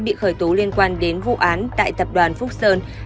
bị khởi tố liên quan đến vụ án tại tập đoàn phúc sơn